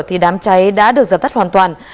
thì đám cháy đã được dập tắt hoàn toàn